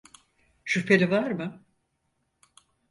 Şüpheli var mı?